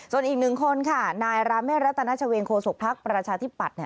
ส่วนอีกหนึ่งคนค่ะนายราเมฆรัตนาชเวงโคศกภักดิ์ประชาธิปัตย์